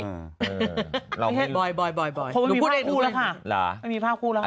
ไม่ใช่บ่อยคงไม่มีภาพคู่แล้วค่ะ